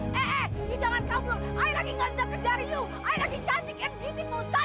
yaudah makasih saya permisi ya non